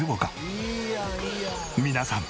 皆さん